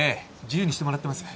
自由にしてもらってます。